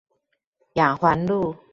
雅環路